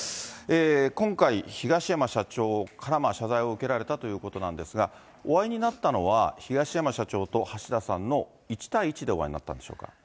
今回、東山社長から謝罪を受けられたということなんですが、お会いになったのは、東山社長と橋田さんの１対１でお会いになったんでしょうか？